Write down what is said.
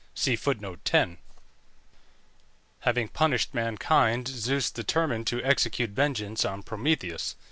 Having punished mankind, Zeus determined to execute vengeance on Prometheus.